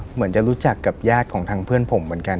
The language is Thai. เหมือนจะรู้จักกับญาติของทางเพื่อนผมเหมือนกัน